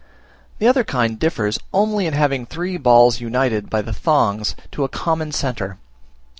The other kind differs only in having three balls united by the thongs to a common centre.